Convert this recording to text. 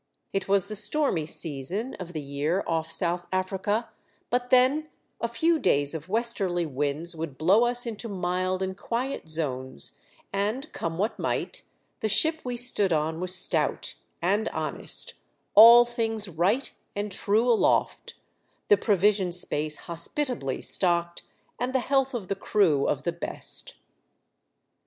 It was the stormy season of the year off South Africa ; but, then, a few days of westerly winds would blow us into mild and quiet zones, and, come what might, the ship we stood on was stout and honest, all things right and true aloft, the provision space hospitably stocked, and the health of the crew of the best. s3'^ THE DEATH SHIP.